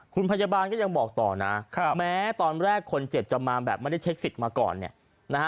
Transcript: คุณพยาบาลก็ยังบอกต่อนะแม้ตอนแรกคนเจ็บจะมาแบบไม่ได้เช็คสิทธิ์มาก่อนเนี่ยนะฮะ